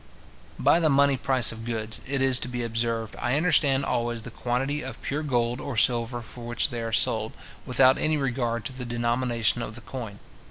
By the money price of goods, it is to be observed, I understand always the quantity of pure gold or silver for which they are sold, without any regard to the denomination of the coin.